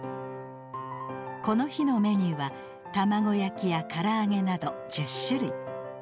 この日のメニューは卵焼きやから揚げなど１０種類。